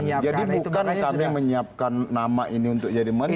jadi bukan hanya menyiapkan nama ini untuk jadi menteri